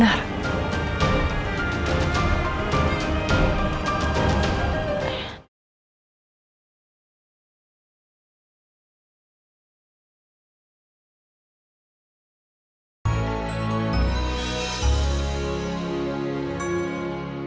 tidak ada yang bisa diberikan